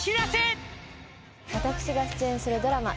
私が出演するドラマ